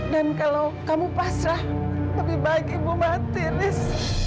dan kalau kamu pasrah lebih baik ibu mati riz